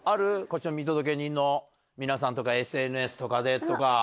こっちの見届け人の皆さんとかＳＮＳとかでとか。